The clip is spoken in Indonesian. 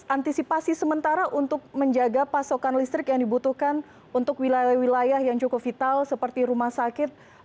antisipasi sementara untuk menjaga pasokan listrik yang dibutuhkan untuk wilayah wilayah yang cukup vital seperti rumah sakit